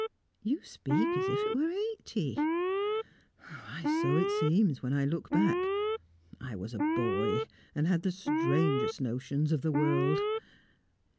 "You speak as if it were eighty." "Why, so it seems, when I look back. I was a boy, and had the strangest notions of the world."